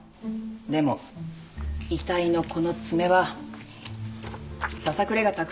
でも遺体のこの爪はささくれがたくさんある。